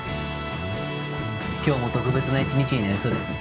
今日も特別な一日になりそうですね